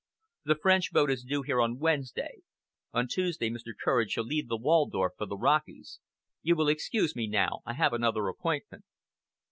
The French boat is due here on Wednesday. On Tuesday, Mr. Courage shall leave the Waldorf for the Rockies. You will excuse me now! I have another appointment."